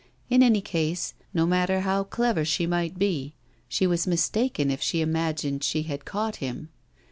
In any case, no matter how clever she might be, she was mistaken if she imagined she had caught him.